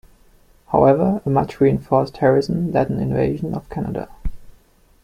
However, a much reinforced Harrison led an invasion of Canada.